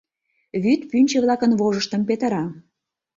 Вӱд пӱнчӧ-влакын вожыштым петыра.